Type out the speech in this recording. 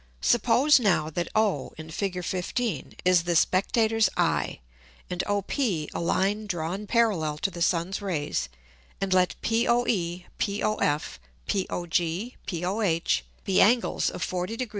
Suppose now that O [in Fig. 15.] is the Spectator's Eye, and OP a Line drawn parallel to the Sun's Rays and let POE, POF, POG, POH, be Angles of 40 Degr.